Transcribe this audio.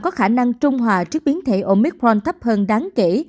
có khả năng trung hòa trước biến thể omicron thấp hơn đáng kể